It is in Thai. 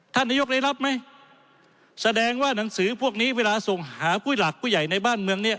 ท่านนายกได้รับไหมแสดงว่าหนังสือพวกนี้เวลาส่งหากุ้ยหลักผู้ใหญ่ในบ้านเมืองเนี่ย